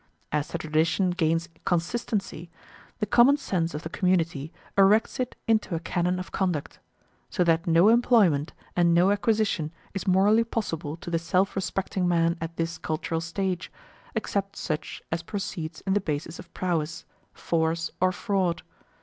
As the tradition gains consistency, the common sense of the community erects it into a canon of conduct; so that no employment and no acquisition is morally possible to the self respecting man at this cultural stage, except such as proceeds on the basis of prowess force or fraud.